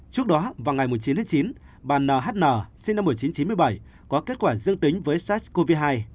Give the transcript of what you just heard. trước đó vào ngày chín chín bà n h n sinh năm một nghìn chín trăm chín mươi bảy có kết quả dương tính với sars cov hai